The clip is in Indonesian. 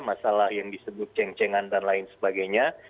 masalah yang disebut cengcengan dan lain sebagainya